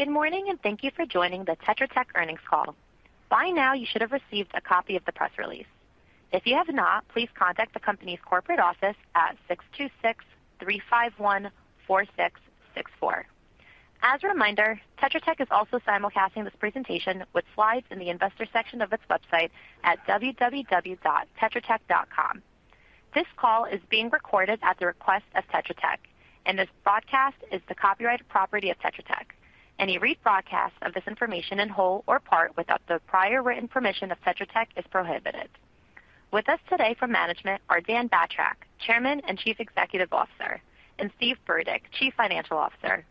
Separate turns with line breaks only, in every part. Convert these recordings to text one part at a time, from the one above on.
Good morning, and thank you for joining the Tetra Tech earnings Call. By now, you should have received a copy of the press release. If you have not, please contact the company's corporate office at 626-351-4664. As a reminder, Tetra Tech is also simulcasting this presentation with slides in the investor section of its website at www.tetratech.com. This call is being recorded at the request of Tetra Tech, and this broadcast is the copyrighted property of Tetra Tech. Any rebroadcast of this information in whole or part without the prior written permission of Tetra Tech is prohibited. With us today from management are Dan Batrack, Chairman and Chief Executive Officer, and Steve Burdick, Chief Financial Officer.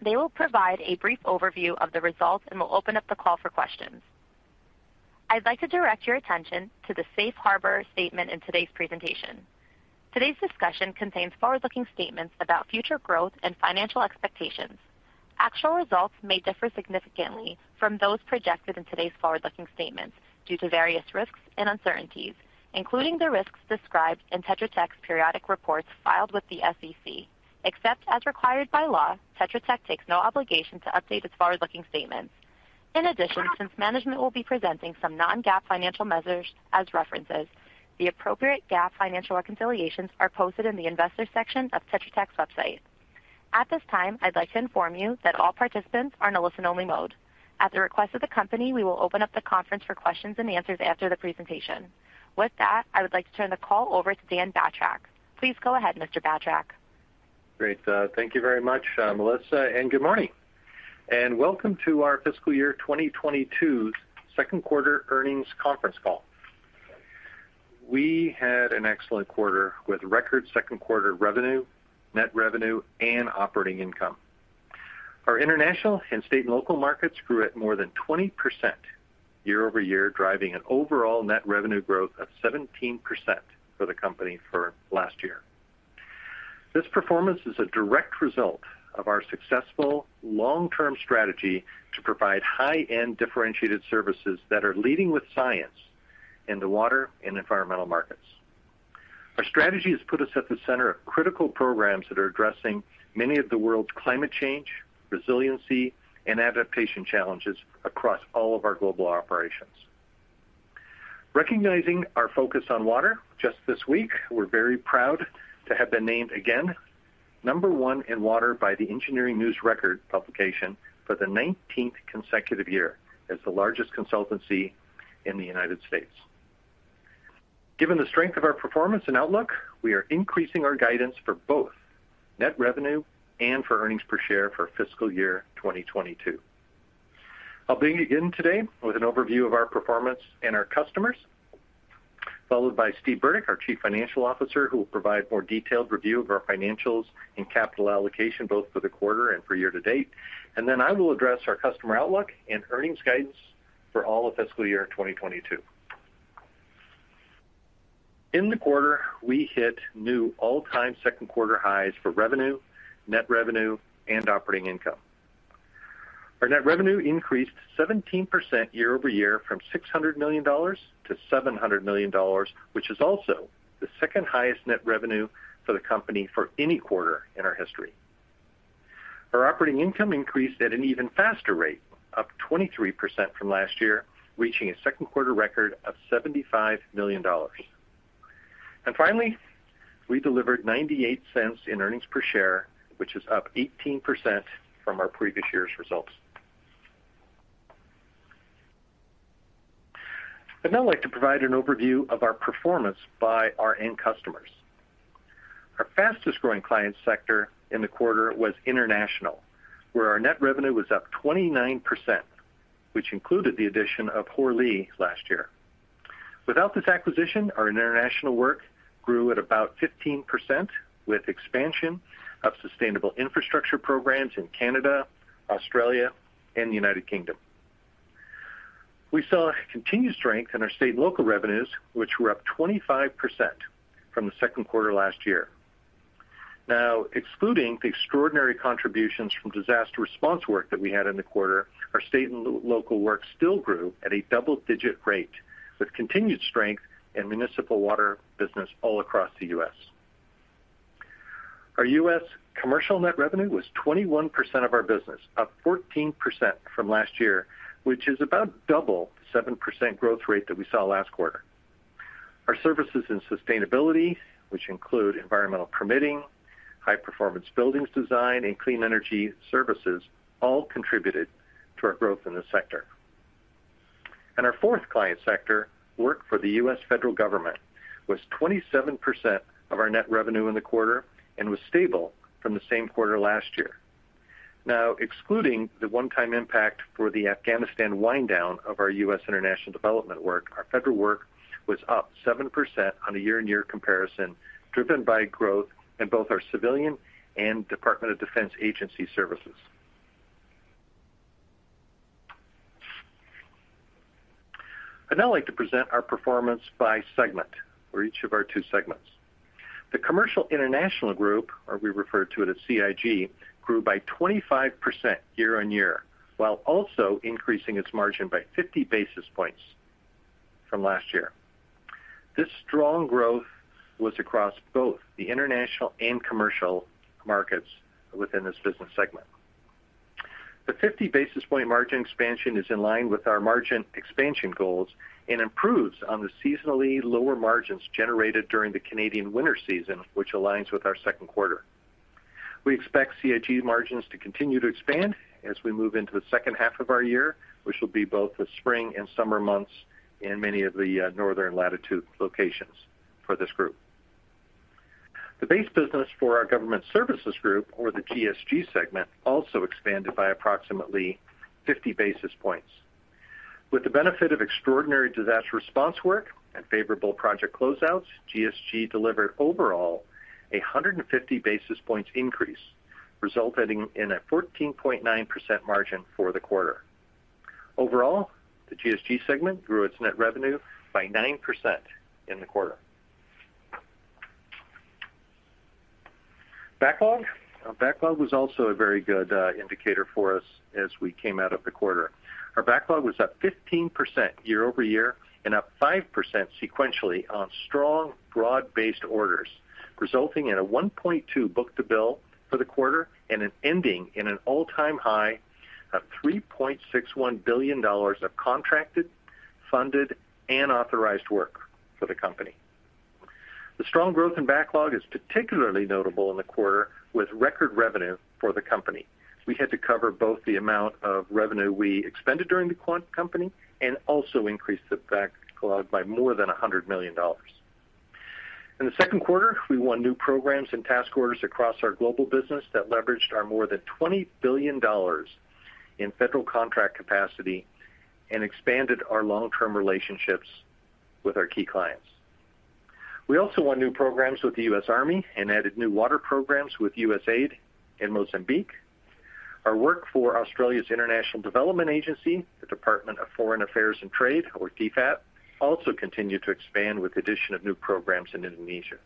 They will provide a brief overview of the results and will open up the call for questions. I'd like to direct your attention to the Safe Harbor statement in today's presentation. Today's discussion contains forward-looking statements about future growth and financial expectations. Actual results may differ significantly from those projected in today's forward-looking statements due to various risks and uncertainties, including the risks described in Tetra Tech's periodic reports filed with the SEC. Except as required by law, Tetra Tech takes no obligation to update its forward-looking statements. In addition, since management will be presenting some non-GAAP financial measures as references, the appropriate GAAP financial reconciliations are posted in the investor section of Tetra Tech's website. At this time, I'd like to inform you that all participants are in a listen-only mode. At the request of the company, we will open up the conference for questions and answers after the presentation. With that, I would like to turn the call over to Dan Batrack. Please go ahead, Mr. Batrack.
Great. Thank you very much, Melissa, and good morning, and welcome to our fiscal year 2022's second quarter earnings conference call. We had an excellent quarter with record second quarter revenue, net revenue and operating income. Our international and state and local markets grew at more than 20% year-over-year, driving an overall net revenue growth of 17% for the company for last year. This performance is a direct result of our successful long-term strategy to provide high-end differentiated services that are leading with science in the water and environmental markets. Our strategy has put us at the center of critical programs that are addressing many of the world's climate change, resiliency and adaptation challenges across all of our global operations. Recognizing our focus on water, just this week, we're very proud to have been named again number one in water by the Engineering News-Record publication for the 19th consecutive year as the largest consultancy in the United States. Given the strength of our performance and outlook, we are increasing our guidance for both net revenue and for earnings per share for fiscal year 2022. I'll begin today with an overview of our performance and our customers, followed by Steve Burdick, our Chief Financial Officer, who will provide more detailed review of our financials and capital allocation, both for the quarter and for year to date. I will address our customer outlook and earnings guidance for all of fiscal year 2022. In the quarter, we hit new all-time second-quarter highs for revenue, net revenue and operating income. Our net revenue increased 17% year-over-year from $600 million to $700 million, which is also the second highest net revenue for the company for any quarter in our history. Our operating income increased at an even faster rate, up 23% from last year, reaching a second-quarter record of $75 million. Finally, we delivered $0.98 in earnings per share, which is up 18% from our previous year's results. I'd now like to provide an overview of our performance by our end customers. Our fastest growing client sector in the quarter was international, where our net revenue was up 29%, which included the addition of Hoare Lea last year. Without this acquisition, our international work grew at about 15%, with expansion of sustainable infrastructure programs in Canada, Australia and the United Kingdom. We saw continued strength in our state and local revenues, which were up 25% from the second quarter last year. Now, excluding the extraordinary contributions from disaster response work that we had in the quarter, our state and local work still grew at a double-digit rate with continued strength in municipal water business all across the U.S. Our U.S. commercial net revenue was 21% of our business, up 14% from last year, which is about double the 7% growth rate that we saw last quarter. Our services in sustainability, which include environmental permitting, high performance buildings design and clean energy services, all contributed to our growth in this sector. Our fourth client sector work for the U.S. federal government was 27% of our net revenue in the quarter and was stable from the same quarter last year. Now, excluding the one-time impact for the Afghanistan wind down of our U.S. international development work, our federal work was up 7% on a year-on-year comparison, driven by growth in both our civilian and Department of Defense agency services. I'd now like to present our performance by segment for each of our two segments. The Commercial/International Services Group, or we refer to it as CIG, grew by 25% year-on-year, while also increasing its margin by 50 basis points from last year. This strong growth was across both the international and commercial markets within this business segment. The 50 basis point margin expansion is in line with our margin expansion goals and improves on the seasonally lower margins generated during the Canadian winter season, which aligns with our second quarter. We expect CIG margins to continue to expand as we move into the second half of our year, which will be both the spring and summer months in many of the northern latitude locations for this group. The base business for our government services group or the GSG segment also expanded by approximately 50 basis points. With the benefit of extraordinary disaster response work and favorable project closeouts, GSG delivered overall a 150 basis points increase, resulting in a 14.9% margin for the quarter. Overall, the GSG segment grew its net revenue by 9% in the quarter. Backlog. Our backlog was also a very good indicator for us as we came out of the quarter. Our backlog was up 15% year-over-year and up 5% sequentially on strong broad-based orders, resulting in a 1.2 book-to-bill for the quarter and ending in an all-time high of $3.61 billion of contracted, funded, and authorized work for the company. The strong growth in backlog is particularly notable in the quarter with record revenue for the company. We had to cover both the amount of revenue we expended during the quarter and also increased the backlog by more than $100 million. In the second quarter, we won new programs and task orders across our global business that leveraged our more than $20 billion in federal contract capacity and expanded our long-term relationships with our key clients. We also won new programs with the U.S. Army and added new water programs with USAID in Mozambique. Our work for Australia's International Development Agency, the Department of Foreign Affairs and Trade, or DFAT, also continued to expand with the addition of new programs in Indonesia.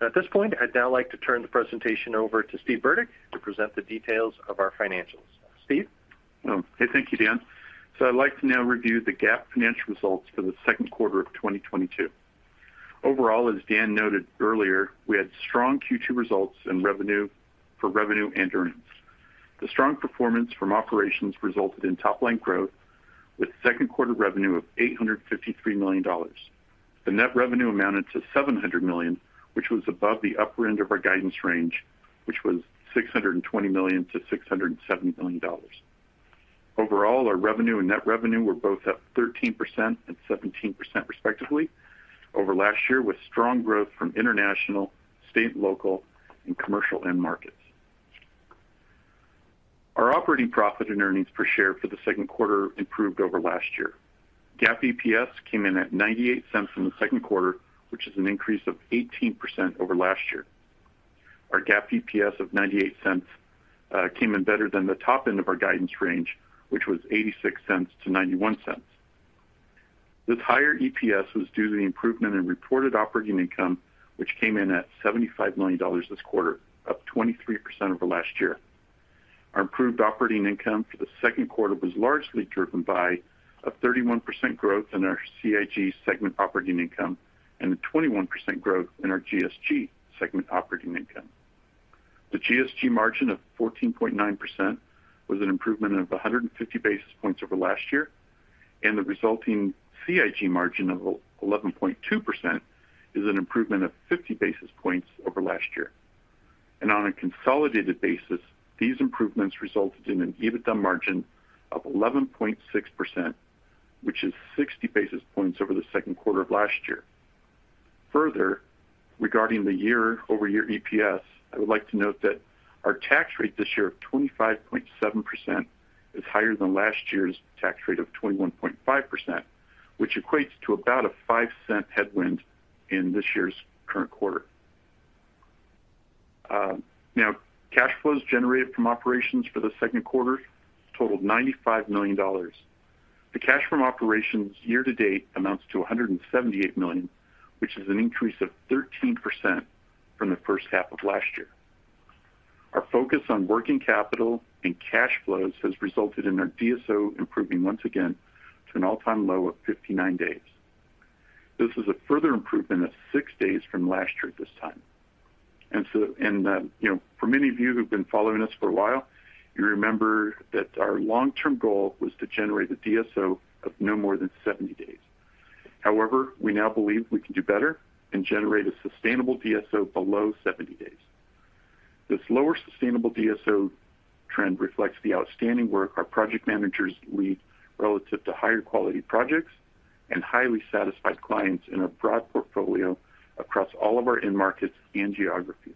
Now, at this point, I'd now like to turn the presentation over to Steve Burdick to present the details of our financials. Steve?
Oh, hey, thank you, Dan. I'd like to now review the GAAP financial results for the second quarter of 2022. Overall, as Dan noted earlier, we had strong Q2 results in revenue and earnings. The strong performance from operations resulted in top-line growth with second quarter revenue of $853 million. The net revenue amounted to $700 million, which was above the upper end of our guidance range, which was $620 million-$670 million. Overall, our revenue and net revenue were both up 13% and 17% respectively over last year with strong growth from international, state and local, and commercial end markets. Our operating profit and earnings per share for the second quarter improved over last year. GAAP EPS came in at $0.98 in the second quarter, which is an increase of 18% over last year. Our GAAP EPS of $0.98 came in better than the top end of our guidance range, which was $0.86-$0.91. This higher EPS was due to the improvement in reported operating income, which came in at $75 million this quarter, up 23% over last year. Our improved operating income for the second quarter was largely driven by a 31% growth in our CIG segment operating income and a 21% growth in our GSG segment operating income. The GSG margin of 14.9% was an improvement of 150 basis points over last year, and the resulting CIG margin of 11.2% is an improvement of 50 basis points over last year. On a consolidated basis, these improvements resulted in an EBITDA margin of 11.6%, which is 60 basis points over the second quarter of last year. Further, regarding the year-over-year EPS, I would like to note that our tax rate this year of 25.7% is higher than last year's tax rate of 21.5%, which equates to about a $0.05 headwind in this year's current quarter. Now cash flows generated from operations for the second quarter totaled $95 million. The cash from operations year-to-date amounts to $178 million, which is an increase of 13% from the first half of last year. Our focus on working capital and cash flows has resulted in our DSO improving once again to an all-time low of 59 days. This is a further improvement of six days from last year at this time. You know, for many of you who've been following us for a while, you remember that our long-term goal was to generate a DSO of no more than 70 days. However, we now believe we can do better and generate a sustainable DSO below 70 days. This lower sustainable DSO trend reflects the outstanding work our project managers lead relative to higher quality projects and highly satisfied clients in a broad portfolio across all of our end markets and geographies.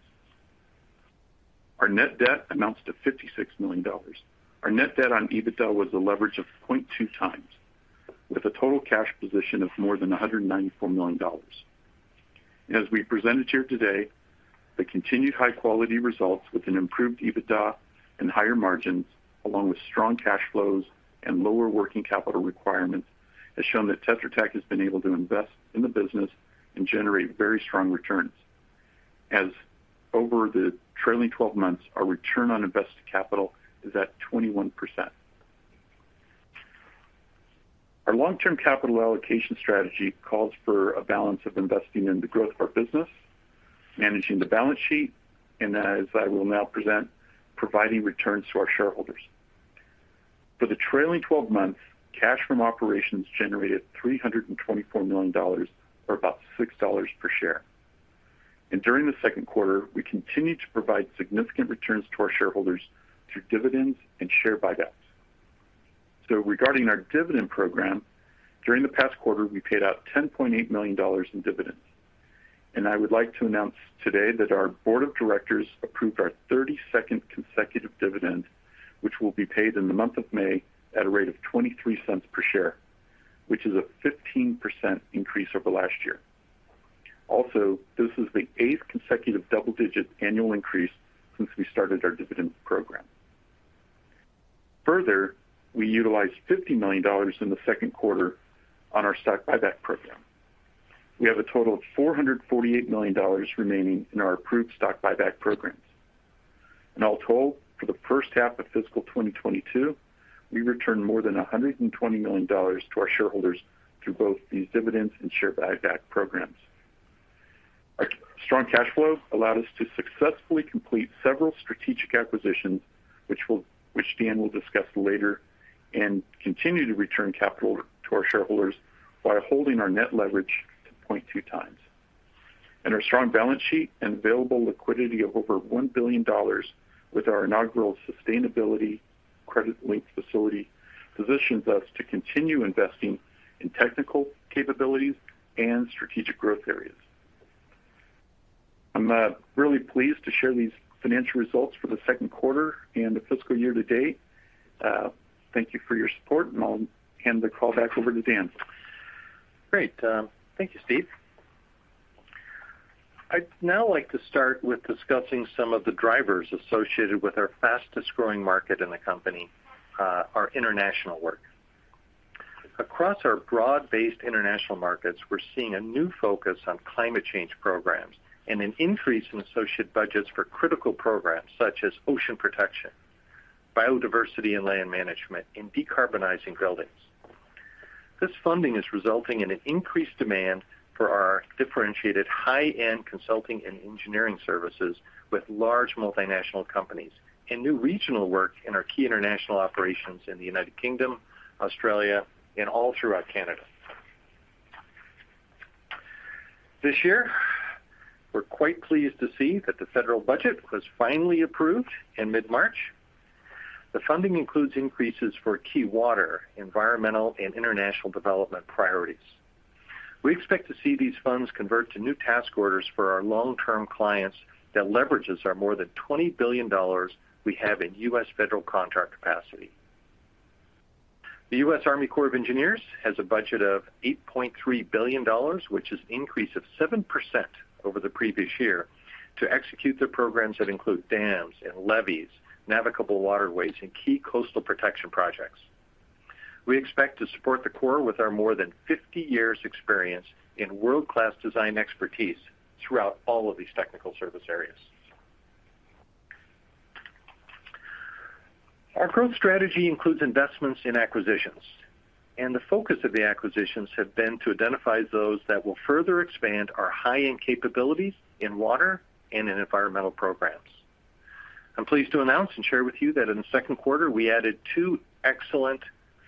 Our net debt amounts to $56 million. Our net debt on EBITDA was a leverage of 0.2x, with a total cash position of more than $194 million. As we presented here today, the continued high-quality results with an improved EBITDA and higher margins, along with strong cash flows and lower working capital requirements, has shown that Tetra Tech has been able to invest in the business and generate very strong returns. As over the trailing 12 months, our return on invested capital is at 21%. Our long-term capital allocation strategy calls for a balance of investing in the growth of our business, managing the balance sheet, and as I will now present, providing returns to our shareholders. For the trailing 12 months, cash from operations generated $324 million or about $6 per share. During the second quarter, we continued to provide significant returns to our shareholders through dividends and share buybacks. Regarding our dividend program, during the past quarter, we paid out $10.8 million in dividends. I would like to announce today that our board of directors approved our 32nd consecutive dividend, which will be paid in the month of May at a rate of $0.23 per share, which is a 15% increase over last year. Also, this is the 8th consecutive double-digit annual increase since we started our dividend program. Further, we utilized $50 million in the second quarter on our stock buyback program. We have a total of $448 million remaining in our approved stock buyback programs. In all total, for the first half of fiscal 2022, we returned more than $120 million to our shareholders through both these dividends and share buyback programs. Our strong cash flow allowed us to successfully complete several strategic acquisitions, which Dan will discuss later, and continue to return capital to our shareholders while holding our net leverage to 0.2 times. Our strong balance sheet and available liquidity of over $1 billion with our inaugural sustainability-linked credit facility positions us to continue investing in technical capabilities and strategic growth areas. I'm really pleased to share these financial results for the second quarter and the fiscal year to date. Thank you for your support, and I'll hand the call back over to Dan.
Great. Thank you, Steve. I'd now like to start with discussing some of the drivers associated with our fastest-growing market in the company, our international work. Across our broad-based international markets, we're seeing a new focus on climate change programs and an increase in associated budgets for critical programs such as ocean protection, biodiversity and land management, and decarbonizing buildings. This funding is resulting in an increased demand for our differentiated high-end consulting and engineering services with large multinational companies and new regional work in our key international operations in the United Kingdom, Australia, and all throughout Canada. This year, we're quite pleased to see that the federal budget was finally approved in mid-March. The funding includes increases for key water, environmental, and international development priorities. We expect to see these funds convert to new task orders for our long-term clients that leverages our more than $20 billion we have in U.S. federal contract capacity. The U.S. Army Corps of Engineers has a budget of $8.3 billion, which is an increase of 7% over the previous year, to execute the programs that include dams and levees, navigable waterways, and key coastal protection projects. We expect to support the Corps with our more than 50 years experience in world-class design expertise throughout all of these technical service areas. Our growth strategy includes investments in acquisitions, and the focus of the acquisitions have been to identify those that will further expand our high-end capabilities in water and in environmental programs. I'm pleased to announce and share with you that in the second quarter, we added two excellent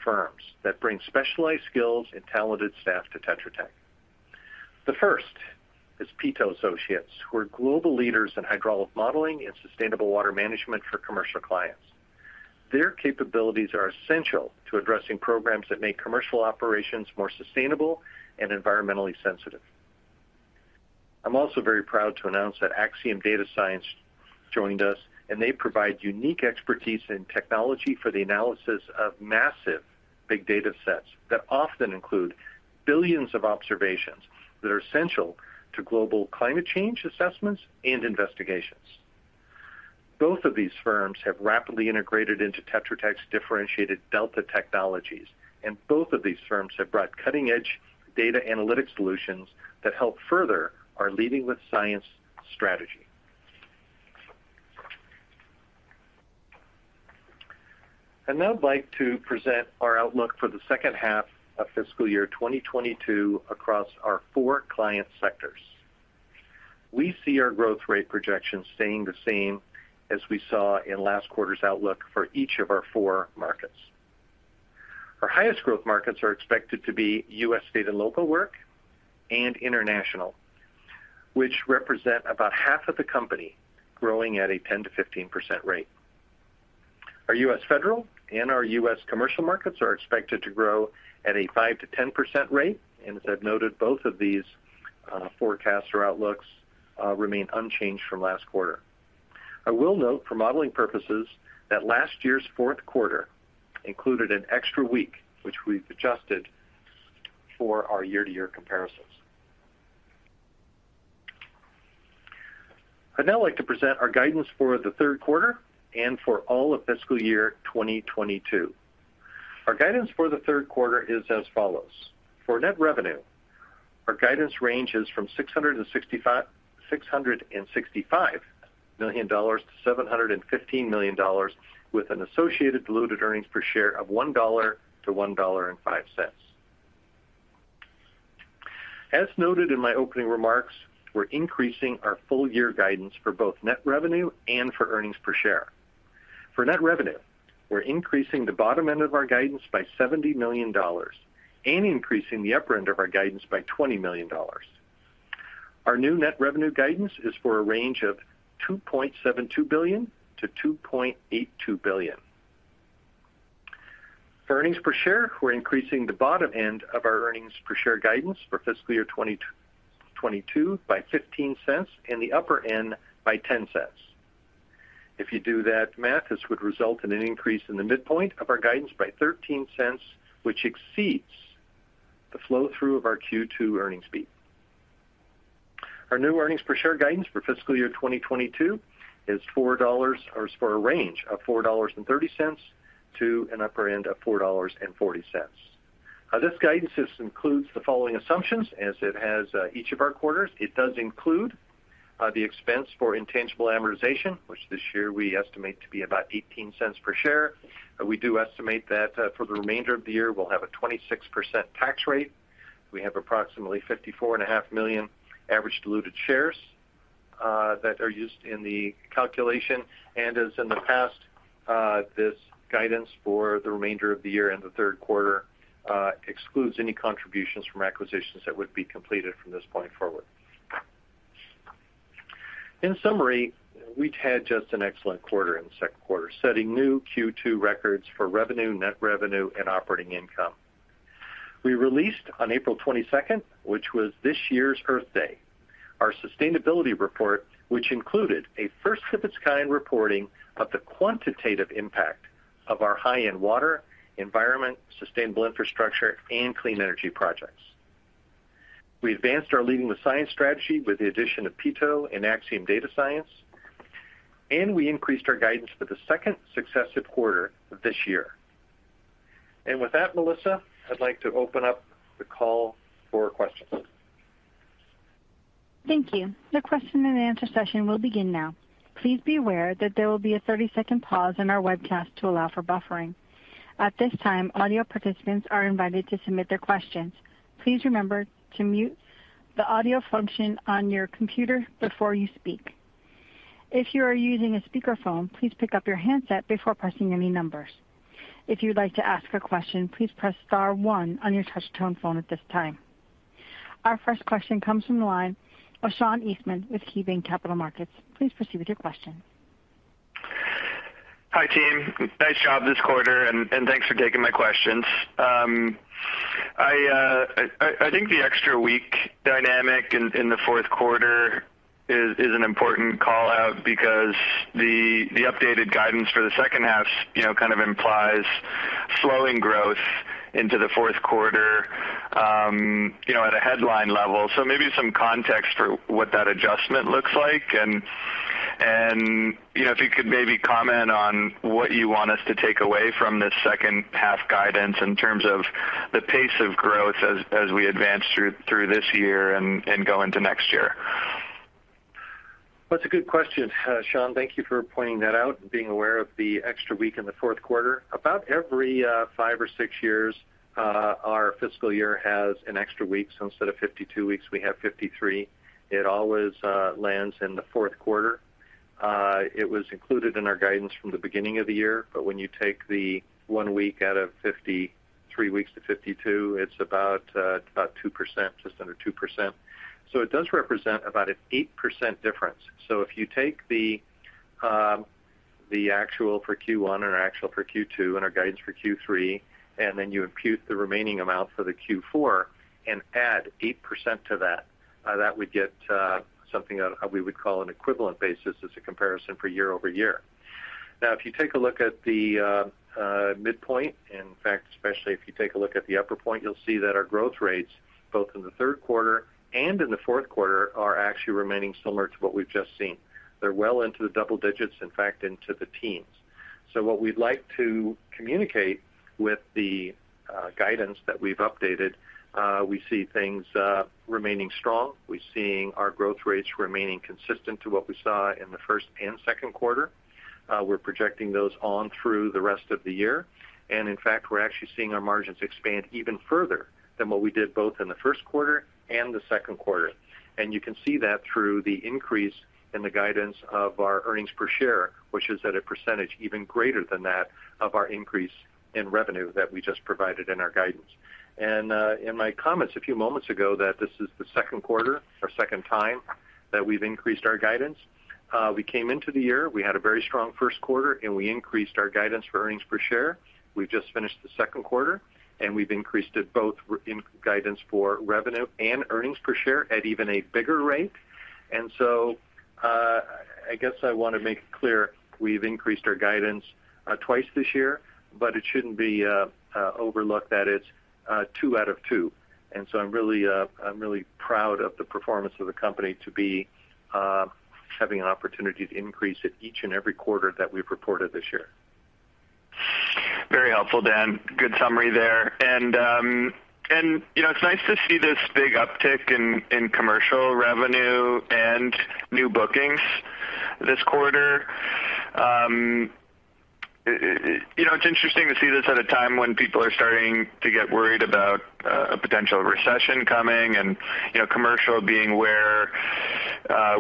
firms that bring specialized skills and talented staff to Tetra Tech. The first is Piteau Associates, who are global leaders in hydraulic modeling and sustainable water management for commercial clients. Their capabilities are essential to addressing programs that make commercial operations more sustainable and environmentally sensitive. I'm also very proud to announce that Axiom Data Science joined us, and they provide unique expertise in technology for the analysis of massive big data sets that often include billions of observations that are essential to global climate change assessments and investigations. Both of these firms have rapidly integrated into Tetra Tech's differentiated Delta Technologies, and both of these firms have brought cutting-edge data analytics solutions that help further our Leading with Science® strategy. I'd now like to present our outlook for the second half of fiscal year 2022 across our four client sectors. We see our growth rate projections staying the same as we saw in last quarter's outlook for each of our four markets. Our highest growth markets are expected to be U.S. state and local work and international, which represent about half of the company growing at a 10%-15% rate. Our U.S. federal and our U.S. commercial markets are expected to grow at a 5%-10% rate. As I've noted, both of these, forecasts or outlooks, remain unchanged from last quarter. I will note for modeling purposes that last year's fourth quarter included an extra week, which we've adjusted for our year-to-year comparisons. I'd now like to present our guidance for the third quarter and for all of fiscal year 2022. Our guidance for the third quarter is as follows. For net revenue, our guidance ranges from $665 million to $715 million with an associated diluted earnings per share of $1.00-$1.05. As noted in my opening remarks, we're increasing our full year guidance for both net revenue and for earnings per share. For net revenue, we're increasing the bottom end of our guidance by $70 million and increasing the upper end of our guidance by $20 million. Our new net revenue guidance is for a range of $2.72 billion-$2.82 billion. For earnings per share, we're increasing the bottom end of our earnings per share guidance for fiscal year 2022 by $0.15 and the upper end by $0.10. If you do that math, this would result in an increase in the midpoint of our guidance by $0.13, which exceeds the flow through of our Q2 earnings beat. Our new earnings per share guidance for fiscal year 2022 is for a range of $4.30 to an upper end of $4.40. This guidance just includes the following assumptions as it has each of our quarters. It does include the expense for intangible amortization, which this year we estimate to be about $0.18 per share. We do estimate that for the remainder of the year, we'll have a 26% tax rate. We have approximately 54.5 million average diluted shares that are used in the calculation. As in the past, this guidance for the remainder of the year and the third quarter excludes any contributions from acquisitions that would be completed from this point forward. In summary, we've had just an excellent quarter in the second quarter, setting new Q2 records for revenue, net revenue and operating income. We released on April 22, which was this year's Earth Day, our sustainability report, which included a first of its kind reporting of the quantitative impact of our high-end water, environment, sustainable infrastructure, and clean energy projects. We advanced our Leading with Science® strategy with the addition of Piteau and Axiom Data Science, and we increased our guidance for the second successive quarter of this year. With that, Melissa, I'd like to open up the call for questions.
Thank you. The question and answer session will begin now. Please be aware that there will be a 30-second pause in our webcast to allow for buffering. At this time, audio participants are invited to submit their questions. Please remember to mute the audio function on your computer before you speak. If you are using a speakerphone, please pick up your handset before pressing any numbers. If you'd like to ask a question, please press star one on your touch tone phone at this time. Our first question comes from the line of Sean Eastman with KeyBanc Capital Markets. Please proceed with your question.
Hi, team. Nice job this quarter, and thanks for taking my questions. I think the extra week dynamic in the fourth quarter is an important call-out because the updated guidance for the second half, you know, kind of implies slowing growth into the fourth quarter, you know, at a headline level. Maybe some context for what that adjustment looks like. You know, if you could maybe comment on what you want us to take away from this second half guidance in terms of the pace of growth as we advance through this year and go into next year.
That's a good question, Sean. Thank you for pointing that out and being aware of the extra week in the fourth quarter. About every five or six years, our fiscal year has an extra week. Instead of 52 weeks, we have 53. It always lands in the fourth quarter. It was included in our guidance from the beginning of the year. When you take the one week out of 53 weeks to 52, it's about 2%, just under 2%. It does represent about an 8% difference. If you take the actual for Q1 and our actual for Q2 and our guidance for Q3, and then you impute the remaining amount for the Q4 and add 8% to that would get something that we would call an equivalent basis as a comparison for year-over-year. Now, if you take a look at the midpoint, in fact, especially if you take a look at the upper point, you'll see that our growth rates, both in the third quarter and in the fourth quarter, are actually remaining similar to what we've just seen. They're well into the double digits, in fact, into the teens. What we'd like to communicate with the guidance that we've updated, we see things remaining strong. We're seeing our growth rates remaining consistent to what we saw in the first and second quarter. We're projecting those on through the rest of the year. In fact, we're actually seeing our margins expand even further than what we did both in the first quarter and the second quarter. You can see that through the increase in the guidance of our earnings per share, which is at a percentage even greater than that of our increase in revenue that we just provided in our guidance. In my comments a few moments ago that this is the second quarter or second time that we've increased our guidance. We came into the year, we had a very strong first quarter, and we increased our guidance for earnings per share. We just finished the second quarter, and we've increased it both in guidance for revenue and earnings per share at even a bigger rate. I guess I want to make clear, we've increased our guidance twice this year, but it shouldn't be overlooked that it's two out of two. I'm really proud of the performance of the company to be having an opportunity to increase it each and every quarter that we've reported this year.
Very helpful, Dan. Good summary there. You know, it's nice to see this big uptick in commercial revenue and new bookings this quarter. You know, it's interesting to see this at a time when people are starting to get worried about a potential recession coming and, you know, commercial being where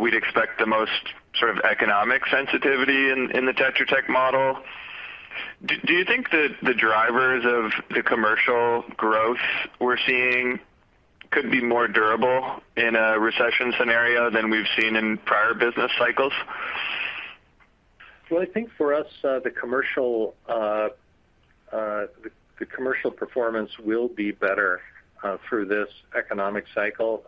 we'd expect the most sort of economic sensitivity in the Tetra Tech model. Do you think that the drivers of the commercial growth we're seeing could be more durable in a recession scenario than we've seen in prior business cycles?
Well, I think for us, the commercial performance will be better through this economic cycle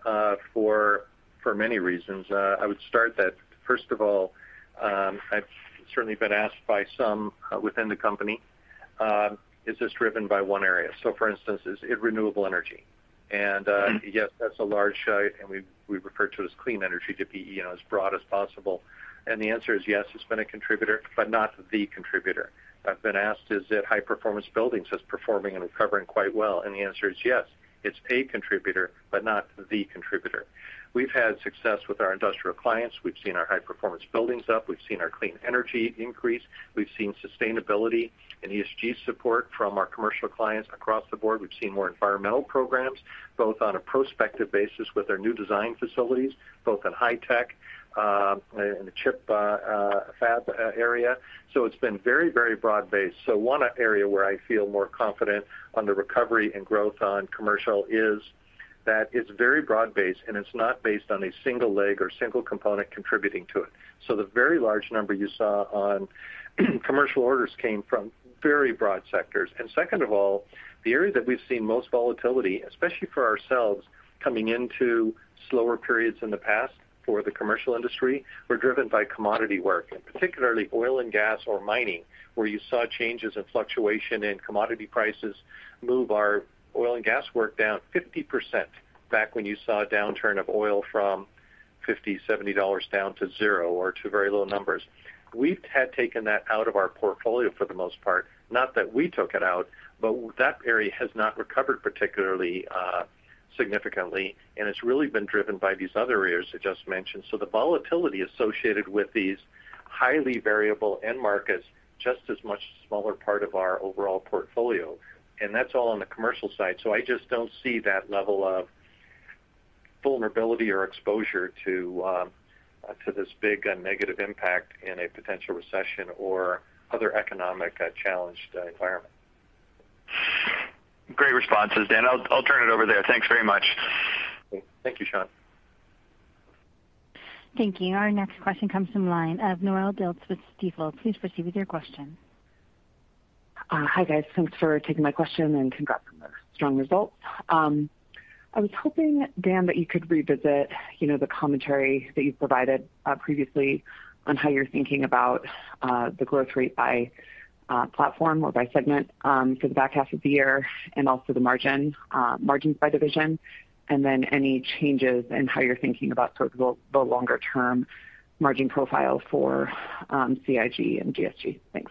for many reasons. I would start there, first of all, I've certainly been asked by some within the company, is this driven by one area? For instance, is it renewable energy? Yes, that's a large size, and we refer to it as clean energy to be, you know, as broad as possible. The answer is yes, it's been a contributor, but not the contributor. I've been asked, is it high-performance buildings that's performing and recovering quite well? The answer is yes. It's a contributor, but not the contributor. We've had success with our industrial clients. We've seen our high-performance buildings up. We've seen our clean energy increase. We've seen sustainability and ESG support from our commercial clients across the board. We've seen more environmental programs, both on a prospective basis with our new design facilities, both in high tech, in the chip fab area. It's been very, very broad-based. One area where I feel more confident on the recovery and growth on commercial is that it's very broad-based, and it's not based on a single leg or single component contributing to it. The very large number you saw on commercial orders came from very broad sectors. Second of all, the area that we've seen most volatility, especially for ourselves coming into slower periods in the past for the commercial industry, were driven by commodity work, and particularly oil and gas or mining, where you saw changes in fluctuation in commodity prices move our oil and gas work down 50% back when you saw a downturn of oil from $50-$70 down to zero or to very low numbers. We've had taken that out of our portfolio for the most part. Not that we took it out, but that area has not recovered particularly, significantly, and it's really been driven by these other areas I just mentioned. The volatility associated with these highly variable end markets, just a much smaller part of our overall portfolio. That's all on the commercial side. I just don't see that level of vulnerability or exposure to this big negative impact in a potential recession or other economic challenged environment.
Great responses, Dan. I'll turn it over there. Thanks very much.
Thank you, Sean.
Thank you. Our next question comes from line of Noelle Dilts with Stifel. Please proceed with your question.
Hi, guys. Thanks for taking my question and congrats on the strong results. I was hoping, Dan, that you could revisit, you know, the commentary that you provided previously on how you're thinking about the growth rate by platform or by segment for the back half of the year and also the margins by division, and then any changes in how you're thinking about sort of the longer-term margin profile for CIG and GSG. Thanks.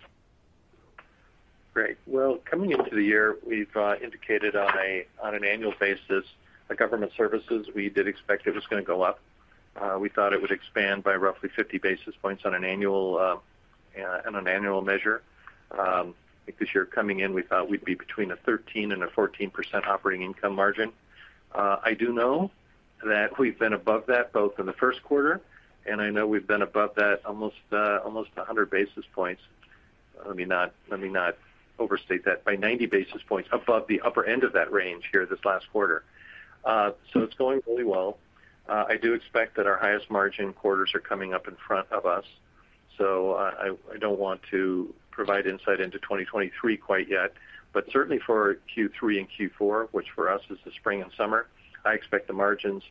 Great. Well, coming into the year, we've indicated on an annual basis, the government services, we did expect it was gonna go up. We thought it would expand by roughly 50 basis points on an annual measure. Because you're coming in, we thought we'd be between 13% and 14% operating income margin. I do know that we've been above that both in the first quarter, and I know we've been above that almost 100 basis points. Let me not overstate that by 90 basis points above the upper end of that range here this last quarter. It's going really well. I do expect that our highest margin quarters are coming up in front of us. I don't want to provide insight into 2023 quite yet. Certainly for Q3 and Q4, which for us is the spring and summer, I expect the margins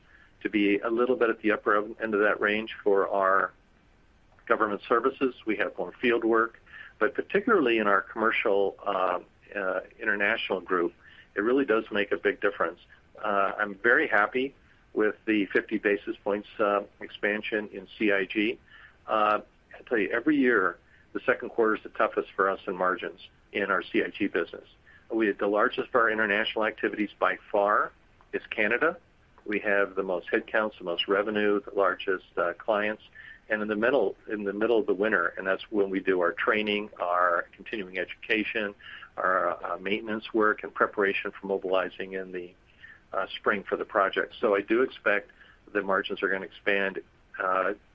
to be a little bit at the upper end of that range for our government services. We have more field work. Particularly in our commercial international group, it really does make a big difference. I'm very happy with the 50 basis points expansion in CIG. I tell you, every year, the second quarter is the toughest for us in margins in our CIG business. We had the largest of our international activities by far is Canada. We have the most headcounts, the most revenue, the largest clients. In the middle of the winter, that's when we do our training, our continuing education, our maintenance work in preparation for mobilizing in the spring for the project. I do expect the margins are gonna expand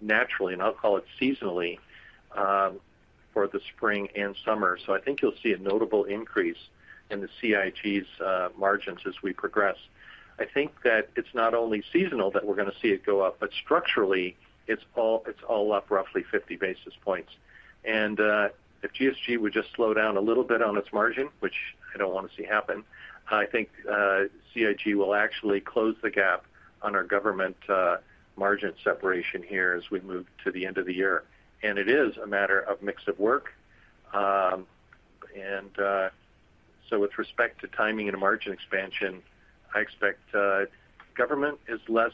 naturally, and I'll call it seasonally for the spring and summer. I think you'll see a notable increase in the CIG's margins as we progress. I think that it's not only seasonal that we're gonna see it go up, but structurally, it's all up roughly 50 basis points. If GSG would just slow down a little bit on its margin, which I don't wanna see happen, I think CIG will actually close the gap on our government margin separation here as we move to the end of the year. It is a matter of mix of work. With respect to timing and margin expansion, I expect government has less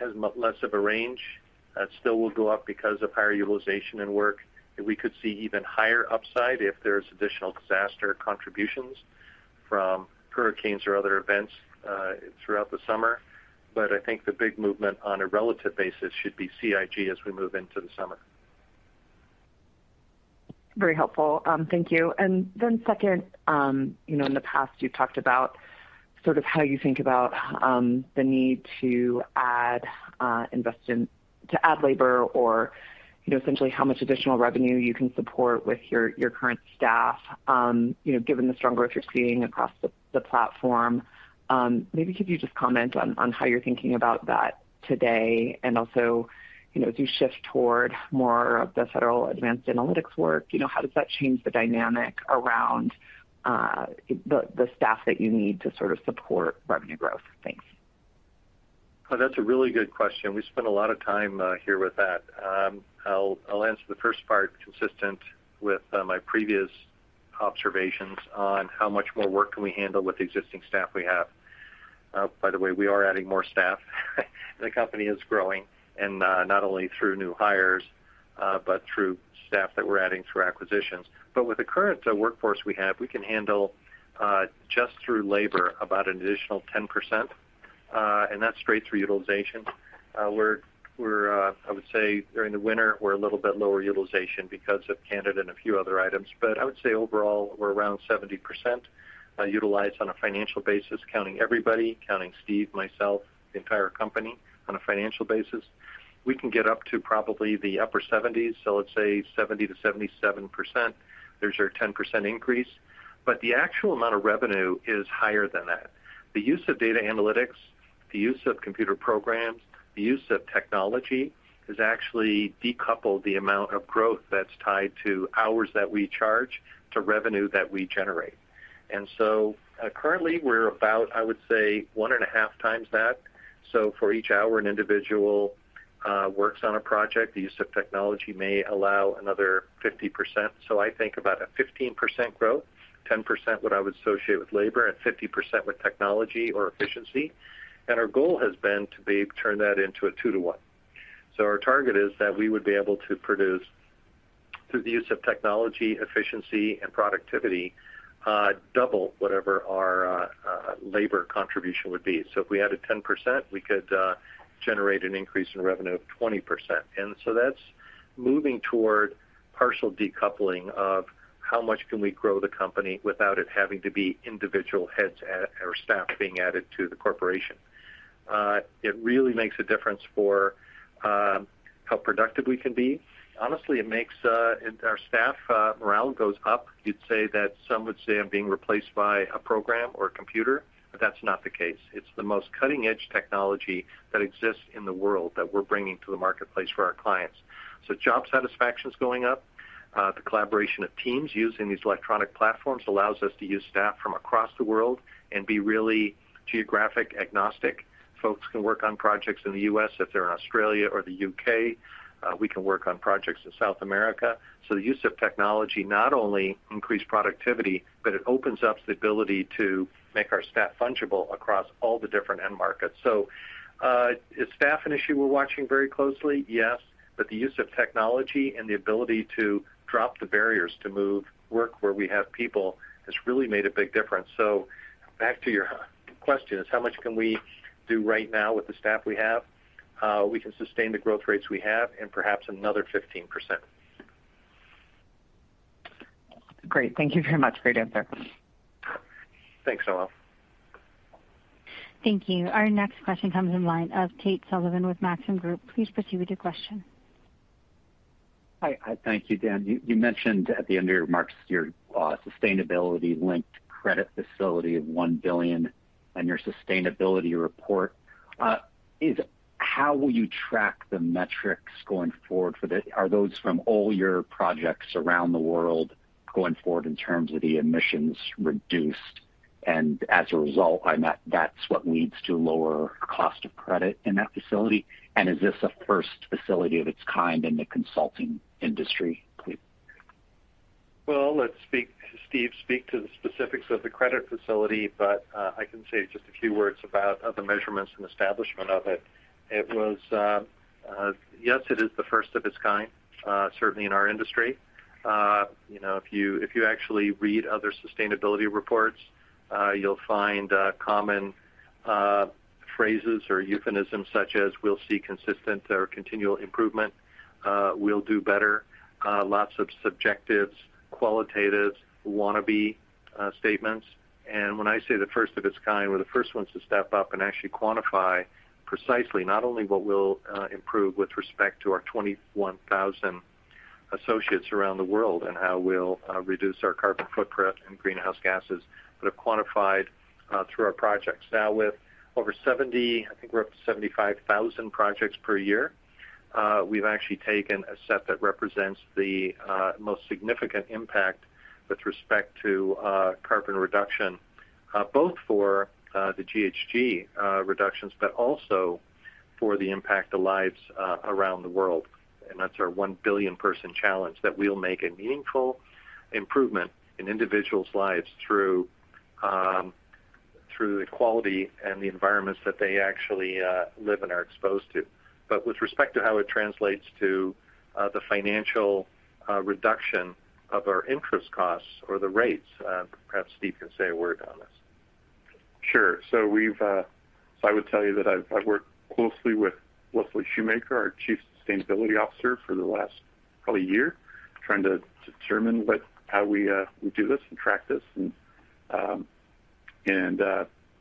of a range. It still will go up because of higher utilization and work. We could see even higher upside if there's additional disaster contributions from hurricanes or other events throughout the summer. I think the big movement on a relative basis should be CIG as we move into the summer.
Very helpful. Thank you. Second, you know, in the past, you've talked about sort of how you think about the need to add labor or, you know, essentially how much additional revenue you can support with your current staff, you know, given the strong growth you're seeing across the platform. Maybe could you just comment on how you're thinking about that today? Also, you know, as you shift toward more of the federal advanced analytics work, you know, how does that change the dynamic around the staff that you need to sort of support revenue growth? Thanks.
Well, that's a really good question. We spend a lot of time here with that. I'll answer the first part consistent with my previous observations on how much more work can we handle with the existing staff we have. By the way, we are adding more staff. The company is growing and not only through new hires, but through staff that we're adding through acquisitions. With the current workforce we have, we can handle just through labor about an additional 10%, and that's straight through utilization. We're, I would say during the winter, we're a little bit lower utilization because of Canada and a few other items. I would say overall, we're around 70% utilized on a financial basis, counting everybody, counting Steve, myself, the entire company on a financial basis. We can get up to probably the upper 70s. Let's say 70%-77%. There's your 10% increase. The actual amount of revenue is higher than that. The use of data analytics, the use of computer programs, the use of technology has actually decoupled the amount of growth that's tied to hours that we charge to revenue that we generate. Currently we're about, I would say, 1.5 times that. For each hour an individual works on a project, the use of technology may allow another 50%. I think about a 15% growth, 10% what I would associate with labor, and 50% with technology or efficiency. Our goal has been to be able to turn that into a 2-to-1. Our target is that we would be able to produce, through the use of technology, efficiency and productivity, double whatever our labor contribution would be. If we added 10%, we could generate an increase in revenue of 20%. That's moving toward partial decoupling of how much can we grow the company without it having to be individual heads or staff being added to the corporation. It really makes a difference for how productive we can be. Honestly, it makes our staff morale goes up. You'd say that some would say I'm being replaced by a program or a computer, but that's not the case. It's the most cutting edge technology that exists in the world that we're bringing to the marketplace for our clients. Job satisfaction is going up. The collaboration of teams using these electronic platforms allows us to use staff from across the world and be really geographically agnostic. Folks can work on projects in the US if they're in Australia or the UK. We can work on projects in South America. The use of technology not only increases productivity, but it opens up the ability to make our staff fungible across all the different end markets. Is staff an issue we're watching very closely? Yes. The use of technology and the ability to drop the barriers to move work where we have people has really made a big difference. Back to your question is how much can we do right now with the staff we have? We can sustain the growth rates we have and perhaps another 15%.
Great. Thank you very much. Great answer.
Thanks, Melissa.
Thank you. Our next question comes from the line of Tate Sullivan with Maxim Group. Please proceed with your question.
Hi. Thank you, Dan. You mentioned at the end of your remarks your sustainability-linked credit facility of $1 billion on your sustainability report. How will you track the metrics going forward? Are those from all your projects around the world going forward in terms of the emissions reduced? That's what leads to lower cost of credit in that facility? Is this the first facility of its kind in the consulting industry?
Well, let Steve speak to the specifics of the credit facility, but I can say just a few words about the measurements and establishment of it. It is the first of its kind, certainly in our industry. You know, if you actually read other sustainability reports, you'll find common phrases or euphemisms such as we'll see consistent or continual improvement, we'll do better, lots of subjectives, qualitatives, wannabe statements. When I say the first of its kind, we're the first ones to step up and actually quantify precisely not only what we'll improve with respect to our 21,000 associates around the world and how we'll reduce our carbon footprint and greenhouse gases, but have quantified through our projects. Now with over 70, I think we're up to 75,000 projects per year. We've actually taken a set that represents the most significant impact with respect to carbon reduction, both for the GHG reductions, but also for the impact of lives around the world, and that's our 1 Billion People Challenge that we'll make a meaningful improvement in individuals' lives through the quality and the environments that they actually live and are exposed to. With respect to how it translates to the financial reduction of our interest costs or the rates, perhaps Steve can say a word on this.
Sure. We've worked closely with Leslie Shoemaker, our Chief Sustainability Officer, for the last probably year, trying to determine how we do this and track this.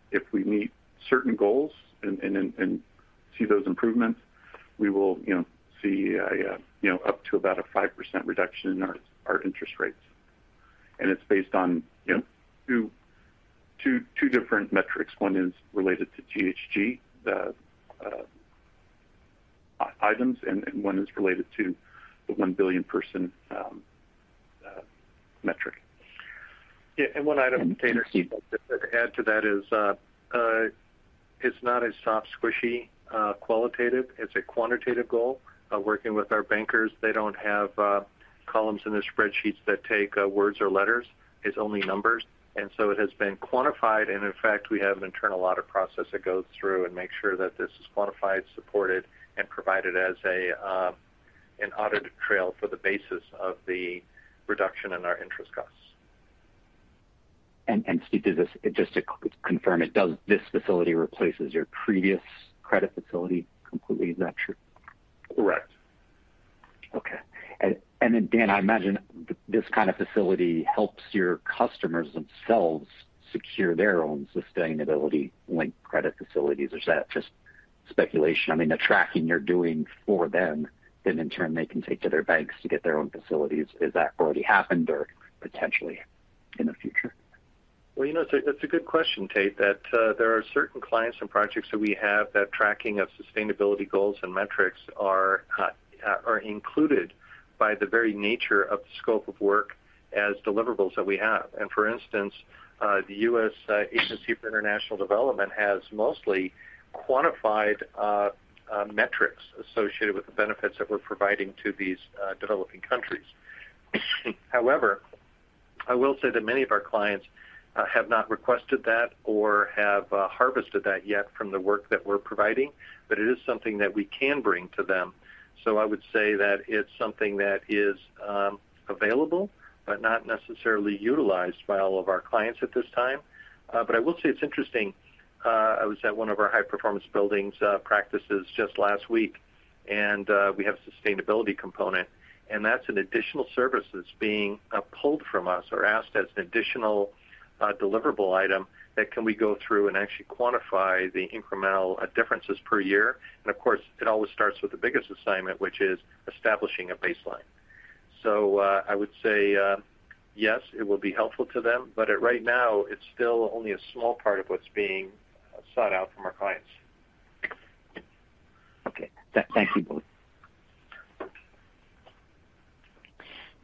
If we meet certain goals and see those improvements, we will, you know, see a, you know, up to about a 5% reduction in our interest rates. It's based on, you know, two different metrics. One is related to GHG items, and one is related to the 1 billion person metric.
Yeah. One item, Tate, or just to add to that is, it's not a soft squishy, qualitative, it's a quantitative goal. Working with our bankers, they don't have columns in their spreadsheets that take words or letters. It's only numbers. It has been quantified, and in fact, we have an internal audit process that goes through and makes sure that this is quantified, supported, and provided as a, an audit trail for the basis of the reduction in our interest costs.
Steve, just to confirm, does this facility replace your previous credit facility completely? Is that true?
Correct.
Okay. Dan, I imagine this kind of facility helps your customers themselves secure their own sustainability-linked credit facilities, or is that just speculation? I mean, the tracking you're doing for them, then in turn they can take to their banks to get their own facilities. Has that already happened or potentially in the future?
Well, you know, it's a good question, Tate. That there are certain clients and projects that we have that tracking of sustainability goals and metrics are included by the very nature of the scope of work as deliverables that we have. For instance, the U.S. Agency for International Development has mostly quantified metrics associated with the benefits that we're providing to these developing countries. However, I will say that many of our clients have not requested that or have harvested that yet from the work that we're providing, but it is something that we can bring to them. I would say that it's something that is available, but not necessarily utilized by all of our clients at this time. I will say it's interesting. I was at one of our high performance buildings practices just last week, and we have a sustainability component, and that's an additional service that's being pulled from us or asked as an additional deliverable item that we can go through and actually quantify the incremental differences per year. Of course, it always starts with the biggest assignment, which is establishing a baseline. I would say yes, it will be helpful to them, but right now, it's still only a small part of what's being sought out from our clients.
Okay. Thank you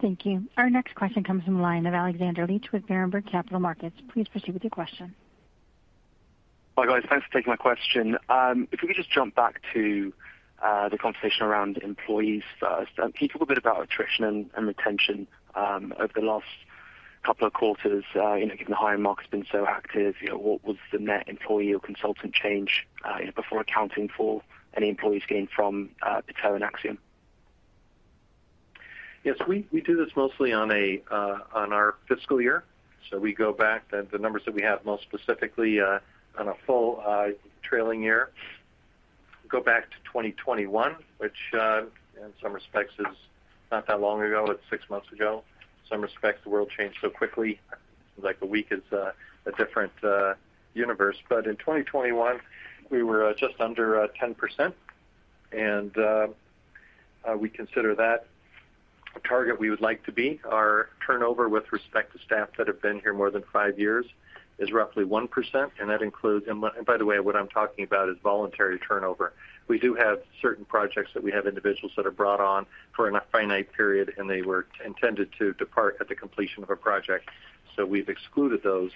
both.
Thank you. Our next question comes from the line of Alexander Leach with Berenberg Capital Markets. Please proceed with your question.
Hi, guys. Thanks for taking my question. If we could just jump back to the conversation around employees first. Can you talk a bit about attrition and retention over the last couple of quarters, you know, given the hiring market's been so active? You know, what was the net employee or consultant change before accounting for any employees gained from Piteau and Axiom?
Yes. We do this mostly on our fiscal year. We go back, the numbers that we have most specifically on a full trailing year, go back to 2021, which in some respects is not that long ago. It's six months ago. In some respects, the world changed so quickly, like a week is a different universe. In 2021, we were just under 10%, and we consider that a target we would like to beat. Our turnover with respect to staff that have been here more than five years is roughly 1%, and that includes. By the way, what I'm talking about is voluntary turnover. We do have certain projects that we have individuals that are brought on for a finite period, and they were intended to depart at the completion of a project. We've excluded those,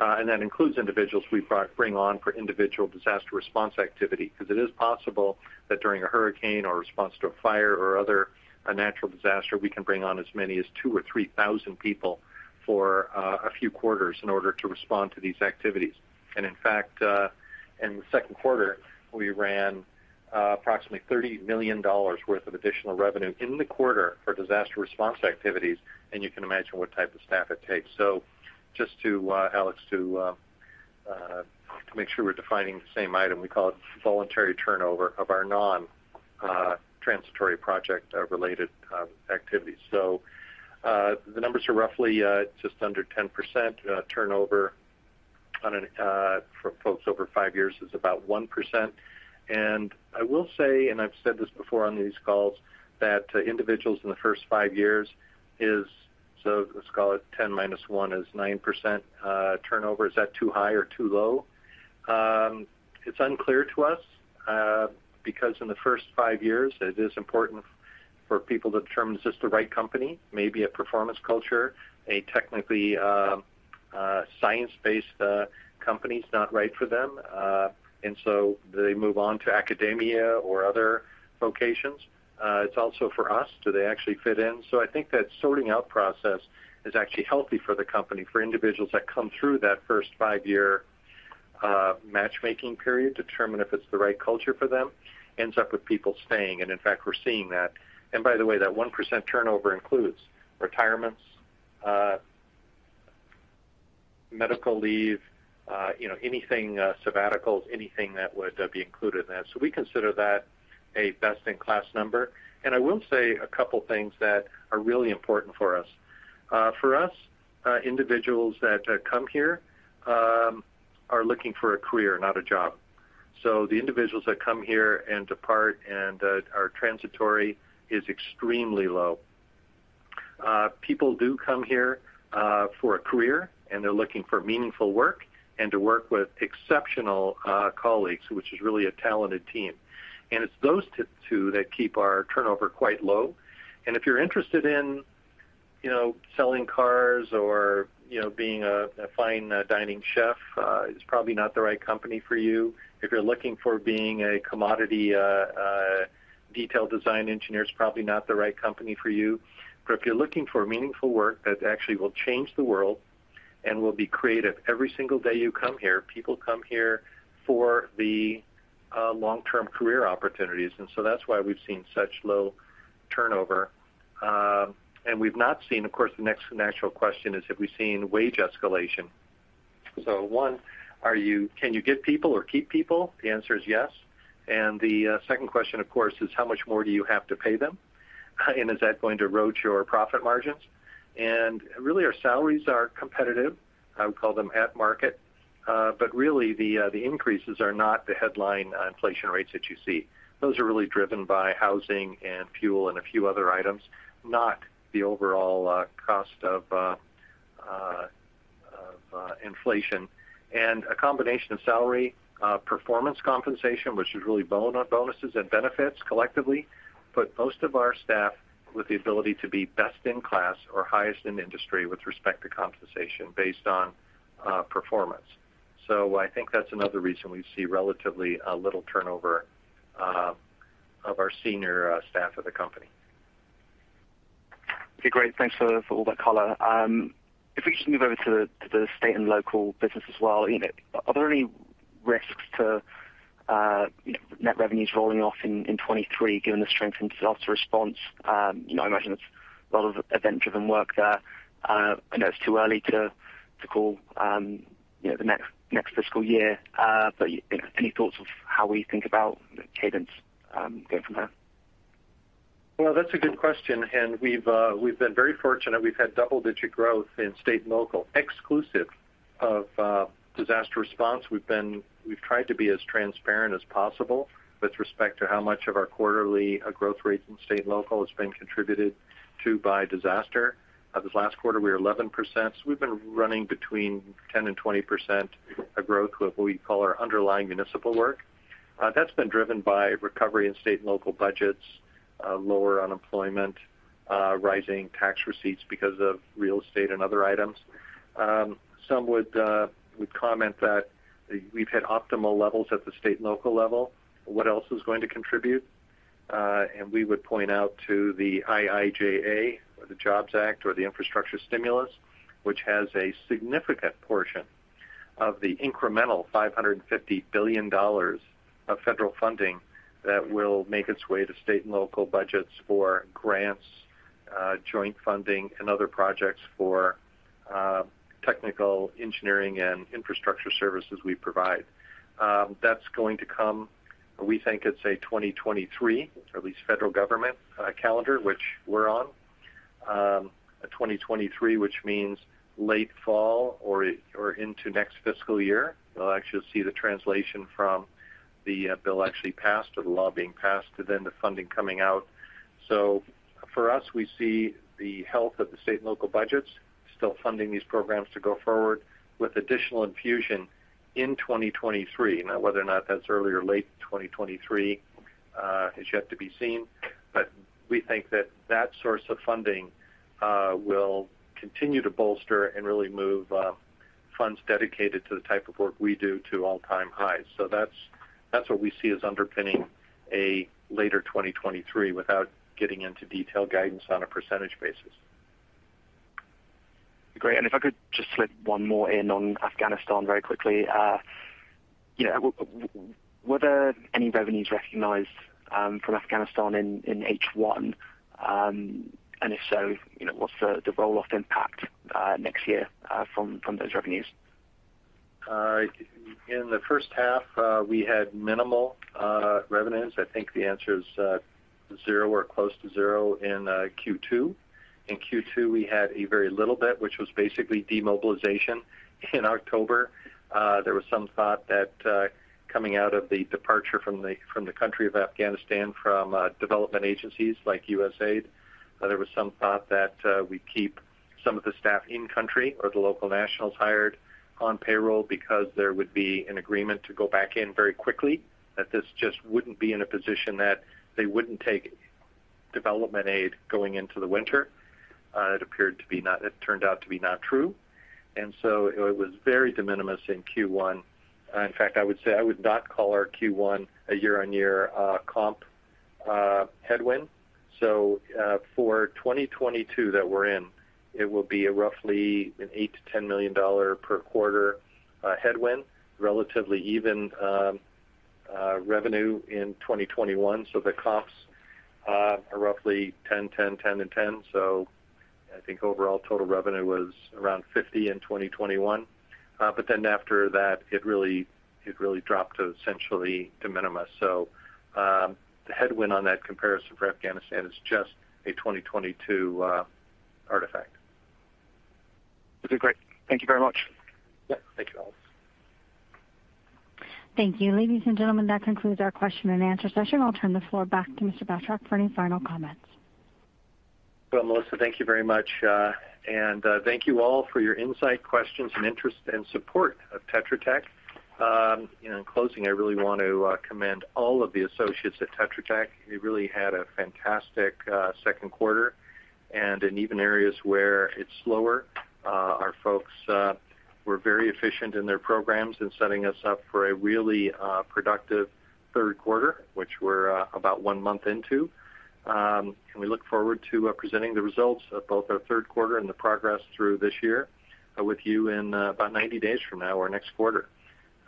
and that includes individuals we bring on for individual disaster response activity. Because it is possible that during a hurricane or a response to a fire or other a natural disaster, we can bring on as many as 2,000 or 3,000 people for a few quarters in order to respond to these activities. In fact, in the second quarter, we ran approximately $30 million worth of additional revenue in the quarter for disaster response activities, and you can imagine what type of staff it takes. Just to Alexander, to make sure we're defining the same item, we call it voluntary turnover of our non-transitory project-related activities. The numbers are roughly just under 10% turnover annually for folks over five years is about 1%. I will say, and I've said this before on these calls, that individuals in the first five years is, so let's call it 10 minus one is 9% turnover. Is that too high or too low? It's unclear to us because in the first five years, it is important for people to determine is this the right company, maybe a performance culture, a technically science-based company is not right for them, and so they move on to academia or other vocations. It's also for us, do they actually fit in? I think that sorting out process is actually healthy for the company, for individuals that come through that first five-year matchmaking period, determine if it's the right culture for them, ends up with people staying. In fact, we're seeing that. By the way, that 1% turnover includes retirements, medical leave, you know, anything, sabbaticals, anything that would be included in that. We consider that a best-in-class number. I will say a couple of things that are really important for us. For us, individuals that come here are looking for a career, not a job. The individuals that come here and depart and that are transitory is extremely low. People do come here for a career, and they're looking for meaningful work and to work with exceptional colleagues, which is really a talented team. It's those two that keep our turnover quite low. If you're interested in, you know, selling cars or, you know, being a fine dining chef, it's probably not the right company for you. If you're looking for being a commodity detail design engineer, it's probably not the right company for you. If you're looking for meaningful work that actually will change the world and will be creative every single day you come here, people come here for the long-term career opportunities. That's why we've seen such low turnover. Of course, the next natural question is, have we seen wage escalation? One, can you get people or keep people? The answer is yes. The second question, of course, is how much more do you have to pay them? And is that going to erode your profit margins? Really, our salaries are competitive. I would call them at market. But really, the increases are not the headline inflation rates that you see. Those are really driven by housing and fuel and a few other items, not the overall cost of inflation. A combination of salary, performance compensation, which is really bonuses and benefits collectively, put most of our staff with the ability to be best in class or highest in industry with respect to compensation based on performance. I think that's another reason we see relatively a little turnover of our senior staff of the company.
Okay, great. Thanks for all that color. If we can move over to the state and local business as well. Are there any risks to net revenues rolling off in 2023, given the strength in disaster response? I imagine it's a lot of event-driven work there. I know it's too early to call, you know, the next fiscal year, but any thoughts of how we think about the cadence going from there?
Well, that's a good question. We've been very fortunate. We've had double-digit growth in state and local, exclusive of disaster response. We've tried to be as transparent as possible with respect to how much of our quarterly growth rate in state and local has been contributed to by disaster. This last quarter, we were 11%. We've been running between 10%-20% of growth with what we call our underlying municipal work. That's been driven by recovery in state and local budgets, lower unemployment, rising tax receipts because of real estate and other items. Some would comment that we've hit optimal levels at the state and local level. What else is going to contribute? We would point out to the IIJA or the Jobs Act or the infrastructure stimulus, which has a significant portion of the incremental $550 billion of federal funding that will make its way to state and local budgets for grants, joint funding, and other projects for technical engineering and infrastructure services we provide. That's going to come, we think, it's, say, 2023, or at least federal government calendar, which we're on. 2023, which means late fall or into next fiscal year. We'll actually see the translation from the bill actually passed or the law being passed to then the funding coming out. For us, we see the health of the state and local budgets still funding these programs to go forward with additional infusion in 2023. Now, whether or not that's early or late 2023, is yet to be seen. We think that source of funding will continue to bolster and really move funds dedicated to the type of work we do to all-time highs. That's what we see as underpinning a later 2023 without getting into detailed guidance on a percentage basis.
Great. If I could just slip one more in on Afghanistan very quickly. Yeah, were there any revenues recognized from Afghanistan in H1? And if so, you know, what's the roll-off impact next year from those revenues?
In the first half, we had minimal revenues. I think the answer is zero or close to zero in Q2. In Q2, we had a very little bit, which was basically demobilization in October. There was some thought that, coming out of the departure from the country of Afghanistan from development agencies like USAID, we keep some of the staff in country or the local nationals hired on payroll because there would be an agreement to go back in very quickly, that this just wouldn't be in a position that they wouldn't take development aid going into the winter. It turned out to be not true. It was very de minimis in Q1. In fact, I would say I would not call our Q1 a year-on-year comp headwind. For 2022 that we're in, it will be roughly a $8 million-$10 million per quarter headwind, relatively even revenue in 2021. The comps are roughly $10 million, $10 million, $10 million and $10 million. I think overall total revenue was around $50 million in 2021. Then after that it really dropped to essentially de minimis. The headwind on that comparison for Afghanistan is just a 2022 artifact.
Okay, great. Thank you very much.
Yeah. Thank you, Alex.
Thank you. Ladies and gentlemen, that concludes our question and answer session. I'll turn the floor back to Mr. Batrack for any final comments.
Well, Melissa, thank you very much, and thank you all for your insight, questions and interest and support of Tetra Tech. You know, in closing, I really want to commend all of the associates at Tetra Tech. We really had a fantastic second quarter. In even areas where it's slower, our folks were very efficient in their programs in setting us up for a really productive third quarter, which we're about one month into. We look forward to presenting the results of both our third quarter and the progress through this year with you in about 90 days from now or next quarter.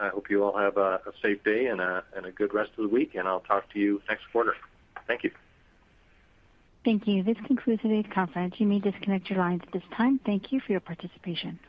I hope you all have a safe day and a good rest of the week, and I'll talk to you next quarter. Thank you.
Thank you. This concludes today's conference. You may disconnect your lines at this time. Thank you for your participation.